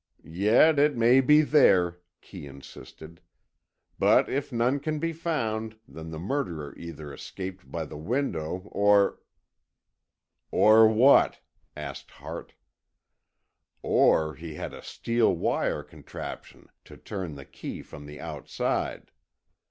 "Yet it may be there," Kee insisted. "But if none can be found, then the murderer either escaped by the windows or——" "Or what?" asked Hart. "Or he had a steel wire contraption to turn the key from the outside.